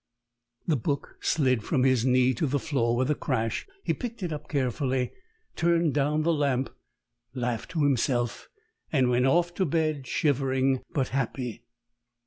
... The book slid from his knee to the floor with a crash. He picked it up carefully, turned down the lamp, laughed to himself, and went off to bed, shivering but happy.